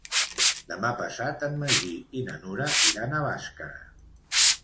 Demà passat en Magí i na Nura iran a Bàscara.